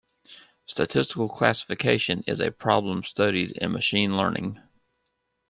Statistical classification is a problem studied in machine learning.